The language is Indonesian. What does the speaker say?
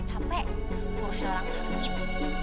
capek urusin orang sakit